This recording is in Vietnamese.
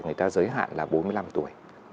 người ta giới hạn là bốn mươi năm tuổi